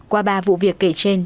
qua ba vụ việc kể trên